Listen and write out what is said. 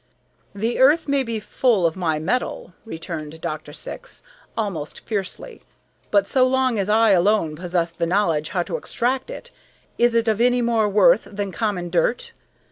"The earth may be full of my metal," returned Dr. Syx, almost fiercely, "but so long as I alone possess the knowledge how to extract it, is it of any more worth than common dirt?